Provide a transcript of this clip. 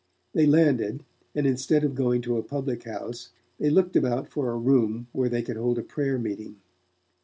They landed, and, instead of going to a public house, they looked about for a room where they could hold a prayer meeting.